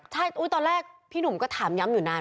ใช่ตอนแรกพี่หนุ่มก็ถามย้ำอยู่นาน